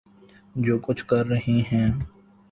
جو کچھ کر رہے ہیں۔